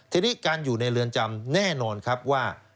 ทีนี้การอยู่ในเรือนจำแน่นอนครับว่า